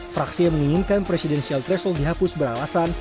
fraksi yang menginginkan presidensial threshold dihapus beralasan